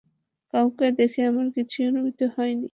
কাউকে দেখে আমার কিছুই অনুভূতি হয়নি।